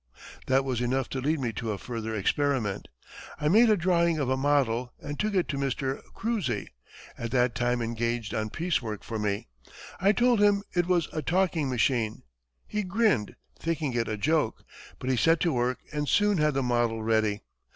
That was enough to lead me to a further experiment. I made a drawing of a model, and took it to Mr. Kruesi, at that time engaged on piece work for me. I told him it was a talking machine. He grinned, thinking it a joke; but he set to work and soon had the model ready.